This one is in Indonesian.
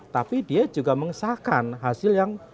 tapi dia juga mengesahkan hasil yang